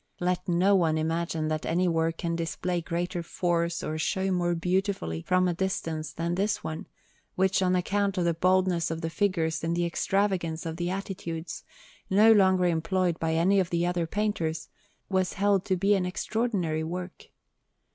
Let no one imagine that any work can display greater force or show more beautifully from a distance than this one, which, on account of the boldness of the figures and the extravagance of the attitudes, no longer employed by any of the other painters, was held to be an extraordinary work.